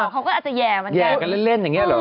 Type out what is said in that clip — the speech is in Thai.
เขาก็อาจจะแย่กันเล่นอย่างนี้หรอ